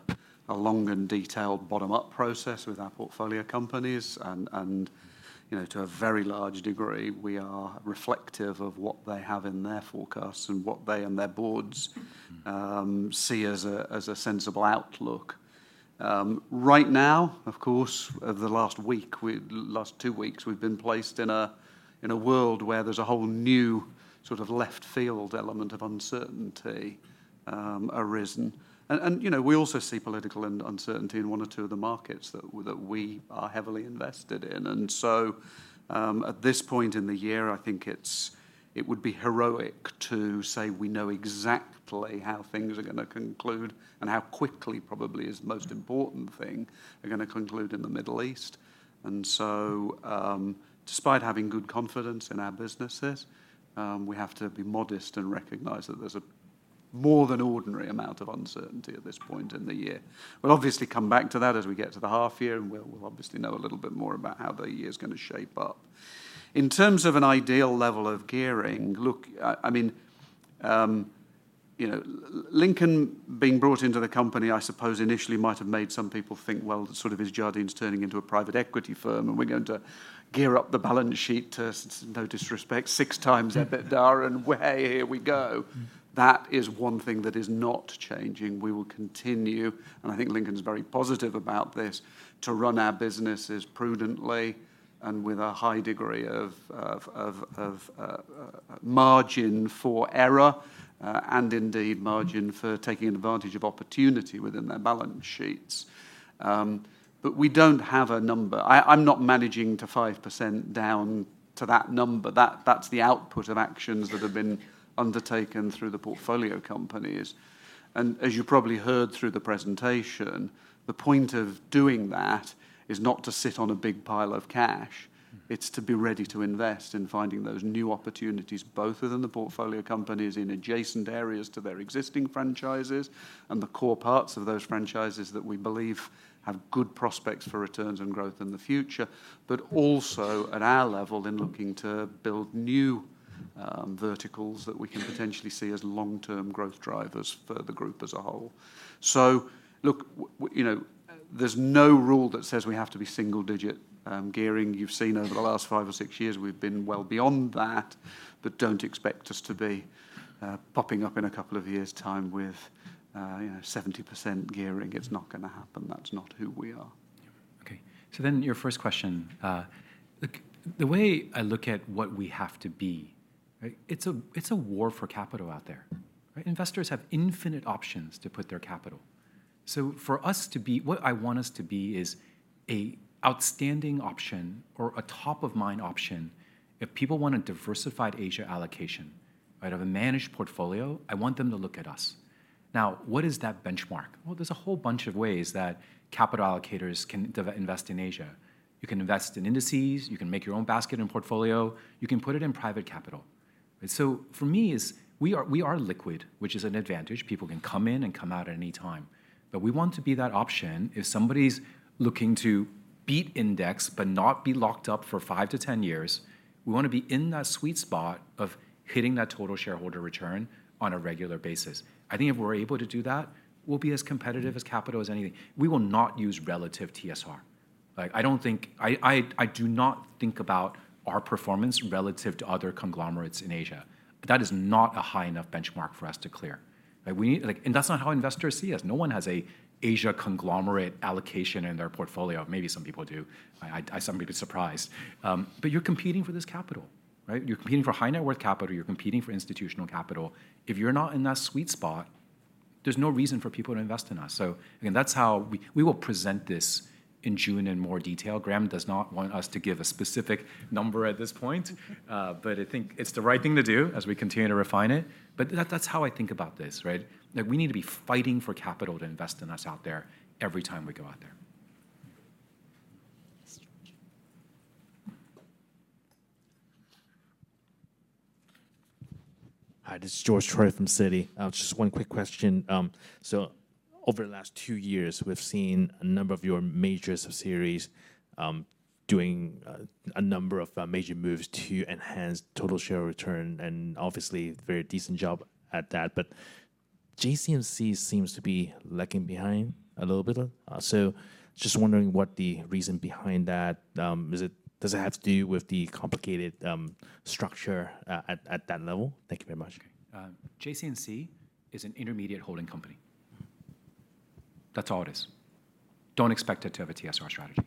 long and detailed bottom-up process with our portfolio companies and, you know, to a very large degree we are reflective of what they have in their forecasts and what they and their boards see as a sensible outlook. Right now, of course, over the last two weeks, we've been placed in a world where there's a whole new sort of left field element of uncertainty arisen. You know, we also see political uncertainty in one or two of the markets that we are heavily invested in. At this point in the year, I think it would be heroic to say we know exactly how things are gonna conclude and how quickly probably is the most important thing are gonna conclude in the Middle East. Despite having good confidence in our businesses, we have to be modest and recognize that there's a more than ordinary amount of uncertainty at this point in the year. We'll obviously come back to that as we get to the half year, and we'll obviously know a little bit more about how the year's gonna shape up. In terms of an ideal level of gearing, look, I mean, you know, Lincoln being brought into the company I suppose initially might have made some people think, well, sort of is Jardine's turning into a private equity firm and we're going to gear up the balance sheet to, no disrespect, 6x EBITDA and, "Wa-hey, here we go." That is one thing that is not changing. We will continue, and I think Lincoln's very positive about this, to run our businesses prudently and with a high degree of margin for error, and indeed margin for taking advantage of opportunity within their balance sheets. We don't have a number. I'm not managing to 5% down to that number. That's the output of actions that have been undertaken through the portfolio companies. As you probably heard through the presentation, the point of doing that is not to sit on a big pile of cash. Mm-hmm. It's to be ready to invest in finding those new opportunities, both within the portfolio companies in adjacent areas to their existing franchises and the core parts of those franchises that we believe have good prospects for returns and growth in the future, but also at our level in looking to build new, verticals that we can potentially see as long-term growth drivers for the group as a whole. So look, you know, there's no rule that says we have to be single digit gearing. You've seen over the last five or six years we've been well beyond that, but don't expect us to be, popping up in a couple of years' time with, you know, 70% gearing. It's not gonna happen. That's not who we are. Your first question, look, the way I look at what we have to be, right, it's a war for capital out there, right? Investors have infinite options to put their capital. For us to be what I want us to be is a outstanding option or a top of mind option if people want a diversified Asia allocation, right, of a managed portfolio, I want them to look at us. Now, what is that benchmark? Well, there's a whole bunch of ways that capital allocators can invest in Asia. You can invest in indices, you can make your own basket and portfolio, you can put it in private capital. For me, we are liquid, which is an advantage. People can come in and come out at any time. We want to be that option if somebody's looking to beat index but not be locked up for five to 10 years, we wanna be in that sweet spot of hitting that total shareholder return on a regular basis. I think if we're able to do that, we'll be as competitive as capital as anything. We will not use relative TSR. Like, I do not think about our performance relative to other conglomerates in Asia. That is not a high enough benchmark for us to clear, right? We need like that's not how investors see us. No one has an Asian conglomerate allocation in their portfolio. Maybe some people do. I'd certainly be surprised. You're competing for this capital, right? You're competing for high net worth capital. You're competing for institutional capital. If you're not in that sweet spot, there's no reason for people to invest in us. That's how we will present this in June in more detail. Graham does not want us to give a specific number at this point, but I think it's the right thing to do as we continue to refine it. That's how I think about this, right? Like, we need to be fighting for capital to invest in us out there every time we go out there. Yes, George. Hi, this is George Choi from Citi. Just one quick question. Over the last two years, we've seen a number of your major subsidiaries doing a number of major moves to enhance total shareholder return, and obviously very decent job at that. JC&C seems to be lagging behind a little bit. Just wondering what the reason behind that, does it have to do with the complicated structure at that level? Thank you very much. Okay. JC&C is an intermediate holding company. That's all it is. Don't expect it to have a TSR strategy.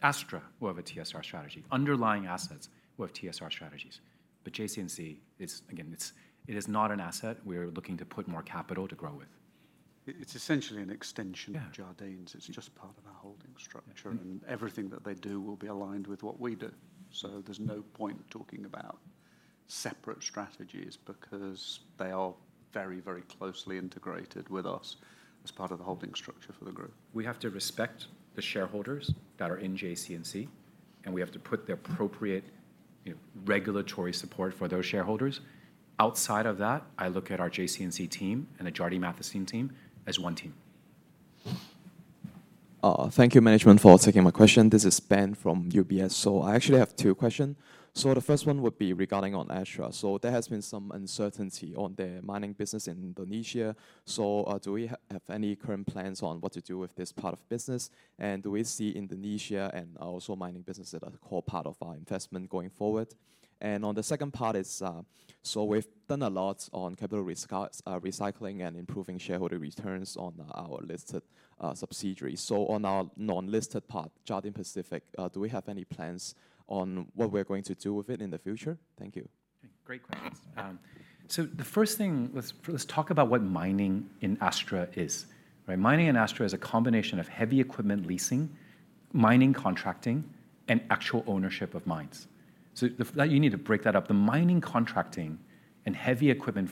Astra will have a TSR strategy. Underlying assets will have TSR strategies. JC&C is, again, it is not an asset we are looking to put more capital to grow with. It's essentially an extension- Yeah... of Jardines. It's just part of our holding structure. Mm-hmm. Everything that they do will be aligned with what we do. There's no point in talking about separate strategies because they are very, very closely integrated with us as part of the holding structure for the group. We have to respect the shareholders that are in JC&C, and we have to put the appropriate, you know, regulatory support for those shareholders. Outside of that, I look at our JC&C team and the Jardine Matheson team as one team. Thank you management for taking my question. This is Ben from UBS. I actually have two questions. The first one would be regarding on Astra. There has been some uncertainty on their mining business in Indonesia. Do we have any current plans on what to do with this part of business? And do we see Indonesia and also mining business as a core part of our investment going forward? And on the second part is, we've done a lot on capital recycling and improving shareholder returns on our listed subsidiaries. On our non-listed part, Jardine Pacific, do we have any plans on what we're going to do with it in the future? Thank you. Okay. Great questions. The first thing, let's talk about what mining in Astra is, right? Mining in Astra is a combination of heavy equipment leasing, mining contracting, and actual ownership of mines. That, you need to break that up. The mining contracting and heavy equipment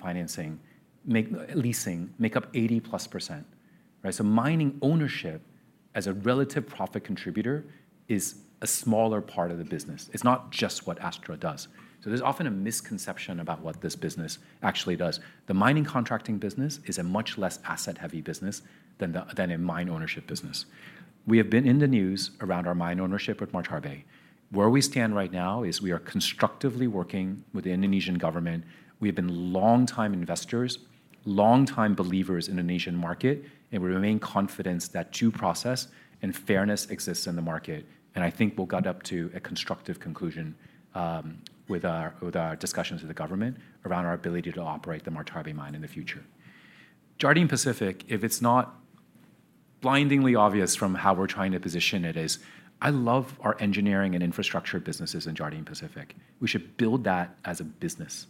leasing make up 80+%, right? Mining ownership as a relative profit contributor is a smaller part of the business. It's not just what Astra does. There's often a misconception about what this business actually does. The mining contracting business is a much less asset-heavy business than a mine ownership business. We have been in the news around our mine ownership at Martabe. Where we stand right now is we are constructively working with the Indonesian government. We have been longtime investors, longtime believers in the Asian market, and we remain confident that due process and fairness exists in the market. I think we'll get to a constructive conclusion with our discussions with the government around our ability to operate the Martabe mine in the future. Jardine Pacific, if it's not blindingly obvious from how we're trying to position it, is. I love our engineering and infrastructure businesses in Jardine Pacific. We should build that as a business,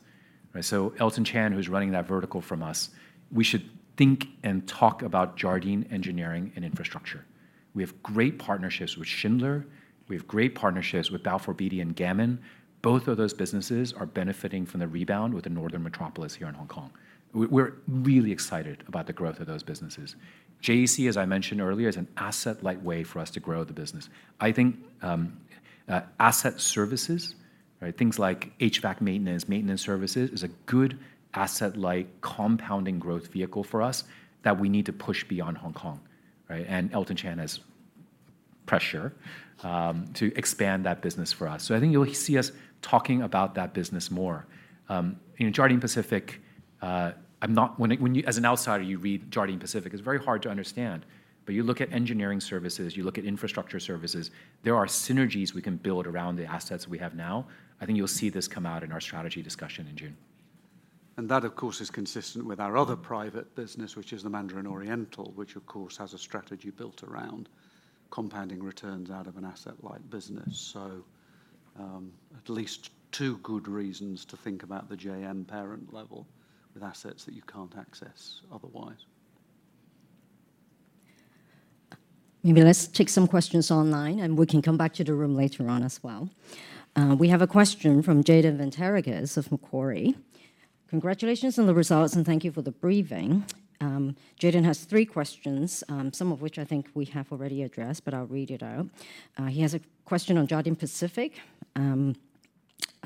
right? Elton Chan, who's running that vertical from us, we should think and talk about Jardine engineering and infrastructure. We have great partnerships with Schindler. We have great partnerships with Balfour Beatty and Gammon. Both of those businesses are benefiting from the rebound with the northern metropolis here in Hong Kong. We're really excited about the growth of those businesses. JEC, as I mentioned earlier, is an asset-light way for us to grow the business. I think, asset services, right, things like HVAC maintenance services, is a good asset-light compounding growth vehicle for us that we need to push beyond Hong Kong, right? Elton Chan has pressure, to expand that business for us. I think you'll see us talking about that business more. You know, Jardine Pacific, When you, as an outsider, you read Jardine Pacific, it's very hard to understand. You look at engineering services, you look at infrastructure services, there are synergies we can build around the assets we have now. I think you'll see this come out in our strategy discussion in June. That, of course, is consistent with our other private business, which is the Mandarin Oriental, which of course has a strategy built around compounding returns out of an asset-light business. At least two good reasons to think about the JM parent level with assets that you can't access otherwise. Maybe let's take some questions online, and we can come back to the room later on as well. We have a question from Jayden Vantarakis of Macquarie. Congratulations on the results, and thank you for the briefing. Jayden has three questions, some of which I think we have already addressed, but I'll read it out. He has a question on Jardine Pacific.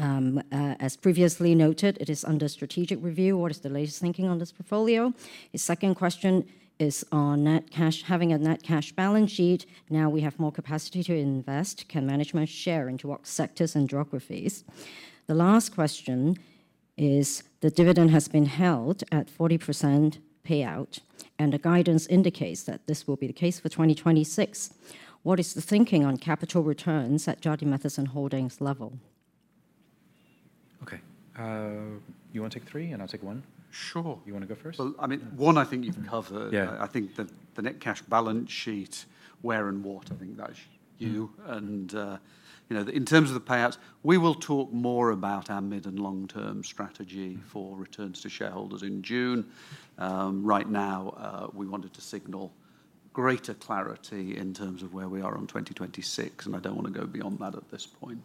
As previously noted, it is under strategic review. What is the latest thinking on this portfolio? His second question is on net cash, having a net cash balance sheet, now we have more capacity to invest. Can management share into what sectors and geographies? The last question is the dividend has been held at 40% payout, and the guidance indicates that this will be the case for 2026. What is the thinking on capital returns at Jardine Matheson Holdings level? Okay. You wanna take three and I'll take one? Sure. You wanna go first? Well, I mean, one I think you've covered. Yeah. I think the net cash balance sheet, where and what, I think that's you. In terms of the payouts, we will talk more about our mid- and long-term strategy for returns to shareholders in June. Right now, we wanted to signal greater clarity in terms of where we are on 2026, and I don't wanna go beyond that at this point.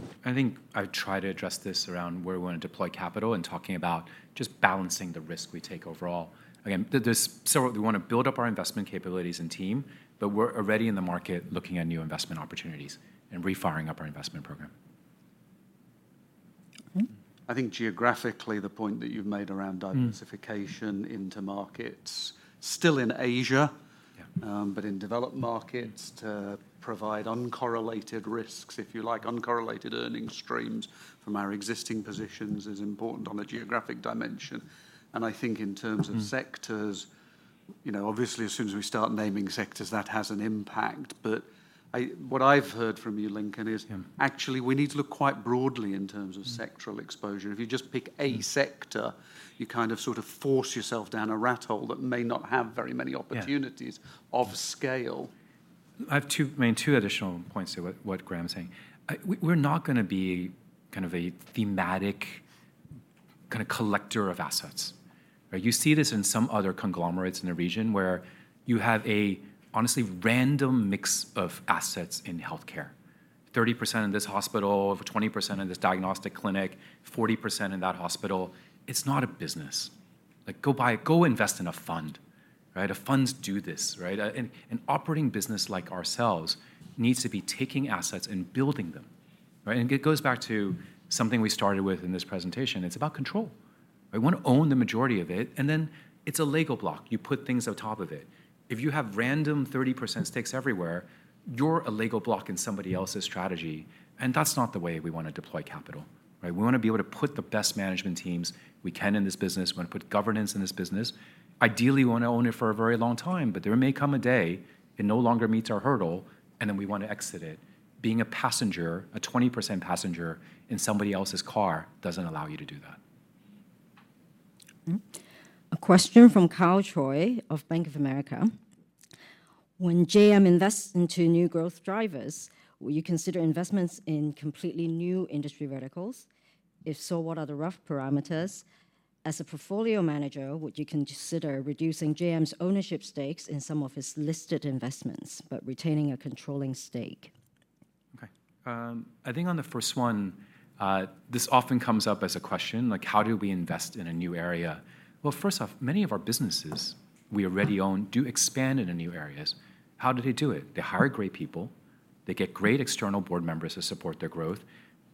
Yeah. I think I'd try to address this around where we wanna deploy capital and talking about just balancing the risk we take overall. Again, we wanna build up our investment capabilities and team, but we're already in the market looking at new investment opportunities and re-firing up our investment program. Mm-hmm. I think geographically, the point that you've made around diversification- Mm-hmm. ...into markets still in Asia Yeah In developed markets to provide uncorrelated risks, if you like, uncorrelated earnings streams from our existing positions is important on the geographic dimension. I think in terms of sectors- Mm-hmm. ...you know, obviously, as soon as we start naming sectors, that has an impact. What I've heard from you, Lincoln, is- Yeah... Actually, we need to look quite broadly in terms of sectoral exposure. If you just pick a sector, you kind of sort of force yourself down a rat hole that may not have very many opportunities- Yeah ...of scale. I have two, I mean, two additional points to what Graham is saying. We're not gonna be kind of a thematic kinda collector of assets. Right? You see this in some other conglomerates in the region where you have an honestly random mix of assets in healthcare. 30% in this hospital, 20% in this diagnostic clinic, 40% in that hospital. It's not a business. Like, go buy, go invest in a fund, right? Funds do this, right? An operating business like ourselves needs to be taking assets and building them, right? It goes back to something we started with in this presentation. It's about control. We wanna own the majority of it, and then it's a LEGO block. You put things on top of it. If you have random 30% stakes everywhere, you're a LEGO block in somebody else's strategy, and that's not the way we wanna deploy capital, right? We wanna be able to put the best management teams we can in this business. We wanna put governance in this business. Ideally, we wanna own it for a very long time, but there may come a day it no longer meets our hurdle, and then we wanna exit it. Being a passenger, a 20% passenger in somebody else's car doesn't allow you to do that. A question from Karl Choi of Bank of America. When JM invests into new growth drivers, will you consider investments in completely new industry verticals? If so, what are the rough parameters? As a portfolio manager, would you consider reducing JM's ownership stakes in some of its listed investments, but retaining a controlling stake? Okay. I think on the first one, this often comes up as a question, like how do we invest in a new area? Well, first off, many of our businesses we already own do expand into new areas. How do they do it? They hire great people. They get great external board members to support their growth.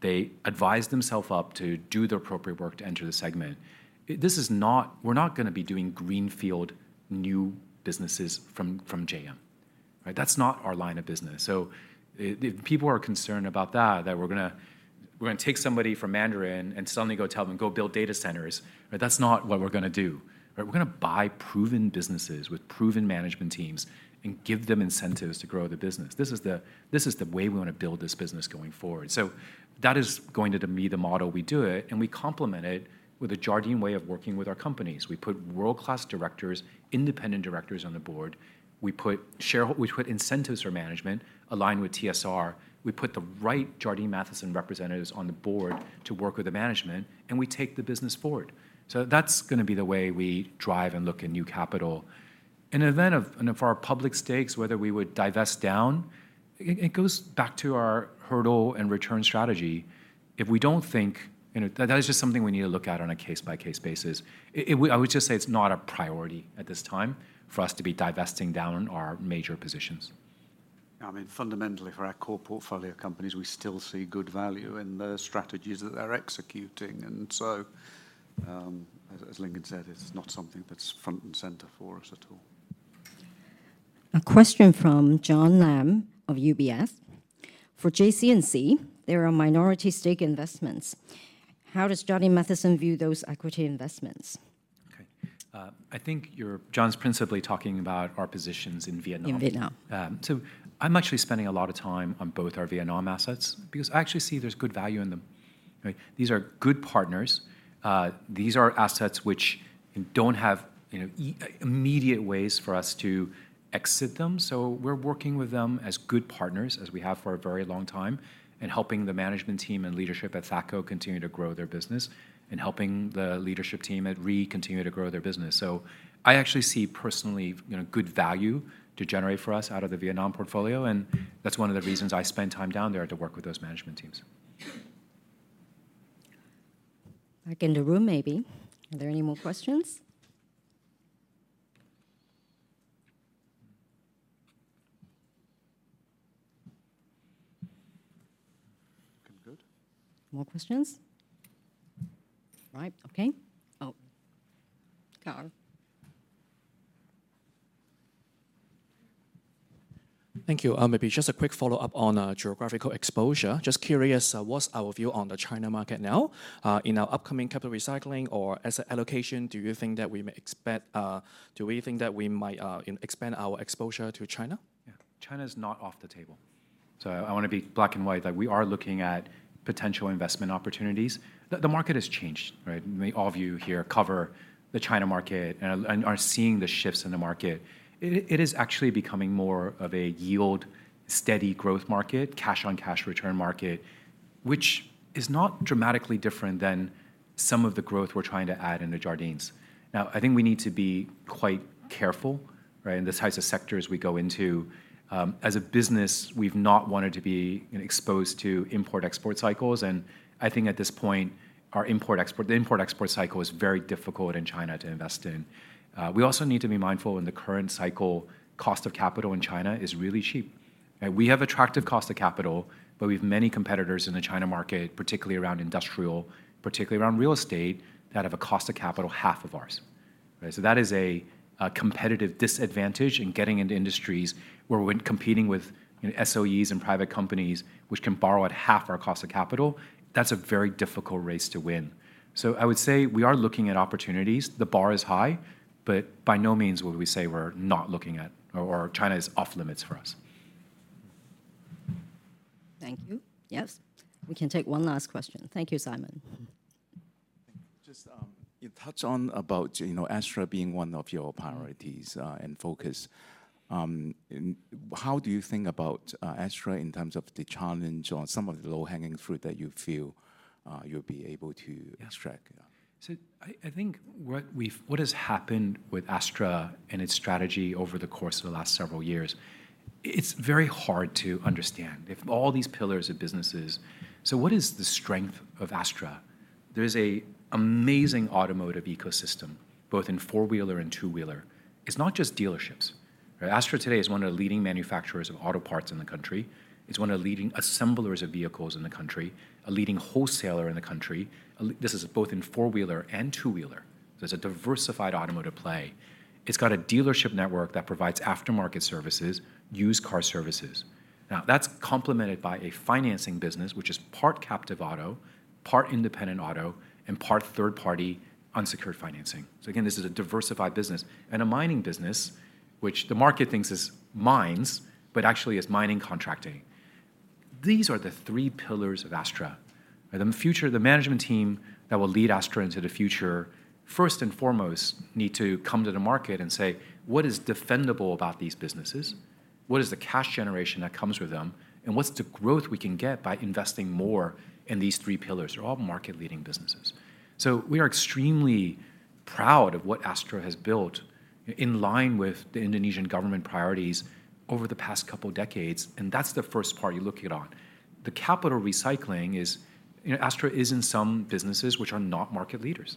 They advise themselves up to do the appropriate work to enter the segment. We're not gonna be doing greenfield new businesses from JM, right? That's not our line of business. If people are concerned about that, we're gonna take somebody from Mandarin and suddenly go tell them, "Go build data centers," right? That's not what we're gonna do, right? We're gonna buy proven businesses with proven management teams and give them incentives to grow the business. This is the way we wanna build this business going forward. That is going to be the model we do it, and we complement it with the Jardine way of working with our companies. We put world-class directors, independent directors on the board. We put incentives for management aligned with TSR. We put the right Jardine Matheson representatives on the board to work with the management, and we take the business forward. That's gonna be the way we drive and look at new capital. In event of our public stakes, whether we would divest down, it goes back to our hurdle and return strategy. If we don't think, you know, that is just something we need to look at on a case by case basis. I would just say it's not a priority at this time for us to be divesting down our major positions. I mean, fundamentally for our core portfolio companies, we still see good value in the strategies that they're executing. As Lincoln said, it's not something that's front and center for us at all. A question from John Lam of UBS. For JC&C, there are minority stake investments. How does Jardine Matheson view those equity investments? I think John's principally talking about our positions in Vietnam. In Vietnam. I'm actually spending a lot of time on both our Vietnam assets because I actually see there's good value in them, right? These are good partners. These are assets which don't have, you know, immediate ways for us to exit them, so we're working with them as good partners, as we have for a very long time, and helping the management team and leadership at THACO continue to grow their business and helping the leadership team at REE continue to grow their business. I actually see personally, you know, good value to generate for us out of the Vietnam portfolio, and that's one of the reasons I spend time down there, to work with those management teams. Back in the room maybe. Are there any more questions? Looking good. More questions? Right. Okay. Karl. Thank you. Maybe just a quick follow-up on geographical exposure. Just curious, what's our view on the China market now? In our upcoming capital recycling or asset allocation, do you think that we may expect? Do we think that we might expand our exposure to China? Yeah. China's not off the table, so I wanna be black and white that we are looking at potential investment opportunities. The market has changed, right? All of you here cover the China market and are seeing the shifts in the market. It is actually becoming more of a yield, steady growth market, cash-on-cash return market, which is not dramatically different than some of the growth we're trying to add into Jardines. Now, I think we need to be quite careful, right, in the types of sectors we go into. As a business, we've not wanted to be, you know, exposed to import/export cycles, and I think at this point, our import/export cycle is very difficult in China to invest in. We also need to be mindful in the current cycle, cost of capital in China is really cheap, right? We have attractive cost of capital, but we have many competitors in the China market, particularly around industrial, particularly around real estate, that have a cost of capital half of ours, right? That is a competitive disadvantage in getting into industries where when competing with, you know, SOEs and private companies which can borrow at half our cost of capital, that's a very difficult race to win. I would say we are looking at opportunities. The bar is high, but by no means would we say we're not looking at or China is off limits for us. Thank you. Yes. We can take one last question. Thank you, Simon. Just, you touch on about, you know, Astra being one of your priorities, and focus. How do you think about, Astra in terms of the challenge or some of the low-hanging fruit that you feel, you'll be able to extract? I think what has happened with Astra and its strategy over the course of the last several years, it's very hard to understand. They have all these pillars of businesses, so what is the strength of Astra? There's an amazing automotive ecosystem, both in four-wheeler and two-wheeler. It's not just dealerships, right? Astra today is one of the leading manufacturers of auto parts in the country. It's one of the leading assemblers of vehicles in the country, a leading wholesaler in the country. This is both in four-wheeler and two-wheeler, so it's a diversified automotive play. It's got a dealership network that provides aftermarket services, used car services. Now, that's complemented by a financing business which is part captive auto, part independent auto, and part third-party unsecured financing. This is a diversified business. A mining business, which the market thinks is mines, but actually is mining contracting. These are the three pillars of Astra. In the future, the management team that will lead Astra into the future first and foremost need to come to the market and say, "What is defendable about these businesses? What is the cash generation that comes with them? And what's the growth we can get by investing more in these three pillars?" They're all market-leading businesses. We are extremely proud of what Astra has built in line with the Indonesian government priorities over the past couple decades, and that's the first part you look it on. The capital recycling is. You know, Astra is in some businesses which are not market leaders.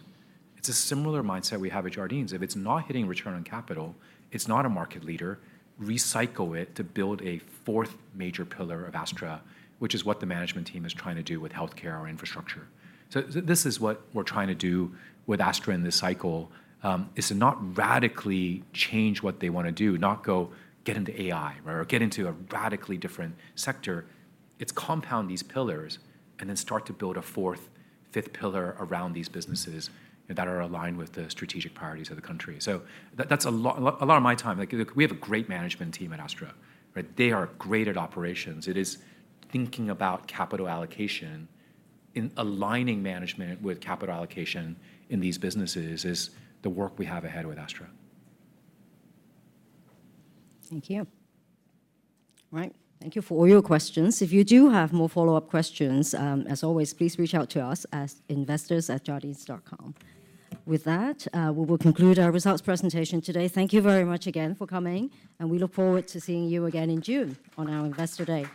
It's a similar mindset we have at Jardines. If it's not hitting return on capital, it's not a market leader, recycle it to build a fourth major pillar of Astra, which is what the management team is trying to do with healthcare or infrastructure. This is what we're trying to do with Astra in this cycle, is to not radically change what they wanna do, not go get into AI, right, or get into a radically different sector. It's compound these pillars and then start to build a fourth, fifth pillar around these businesses that are aligned with the strategic priorities of the country. That's a lot of my time. Like, look, we have a great management team at Astra, right? They are great at operations. It is thinking about capital allocation and aligning management with capital allocation in these businesses is the work we have ahead with Astra. Thank you. All right. Thank you for all your questions. If you do have more follow-up questions, as always, please reach out to us at investors@jardines.com. With that, we will conclude our results presentation today. Thank you very much again for coming, and we look forward to seeing you again in June on our Investor Day.